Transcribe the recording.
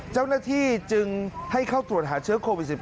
เจ้าหน้าที่จึงให้เข้าตรวจหาเชื้อโควิด๑๙